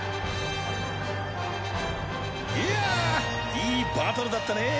いやいいバトルだったねぇ。